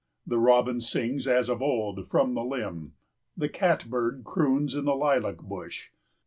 The robin sings, as of old, from the limb! The catbird croons in the lilac bush!